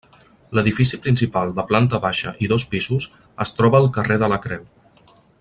L'edifici principal de planta baixa i dos pisos es troba al carrer de la creu.